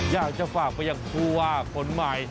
อยากจะฝากไปยังผู้ว่าคนใหม่